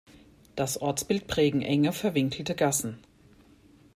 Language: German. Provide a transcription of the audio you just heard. Das Ortsbild prägen enge, verwinkelte Gassen.